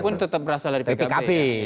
pun tetap berasal dari pkb